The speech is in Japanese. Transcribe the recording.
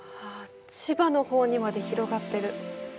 千葉の方にまで広がってる。